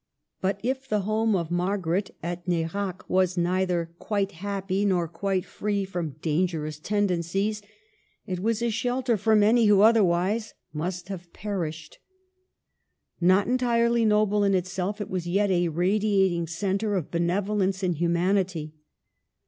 But if the home of Margaret at Nerac was neither quite happy nor quite free from danger ous tendencies, it was a shelter for many who otherwise must have perished. Not entirely noble in itself, it was yet a radiating centre of benevolence and humanity.